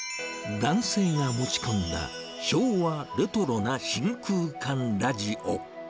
男性が持ち込んだ昭和レトロな真空管ラジオ。